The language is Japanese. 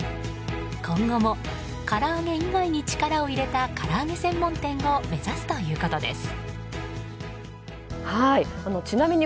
今後もから揚げ以外に力を入れたから揚げ専門店を目指すということです。